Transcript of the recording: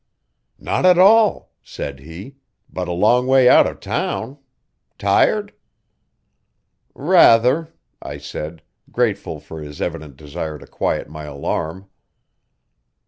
'Not at all,' said he, 'but a long way out of town tired? 'Rather,' I said, grateful for his evident desire to quiet my alarm.